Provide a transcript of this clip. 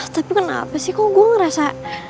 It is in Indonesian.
tapi kenapa sih kok gue ngerasa